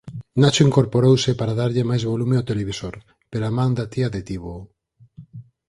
Nacho incorporouse para darlle máis volume ó televisor, pero a man da tía detívoo.